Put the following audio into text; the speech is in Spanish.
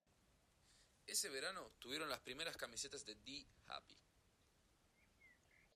Ese verano tuvieron las primeras camisetas de Die Happy.